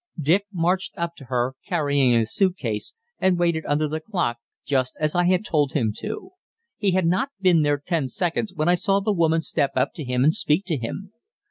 Dick marched up to her, carrying his suit case, and waited under the clock, just as I had told him to. He had not been there ten seconds when I saw the woman step up to him and speak to him.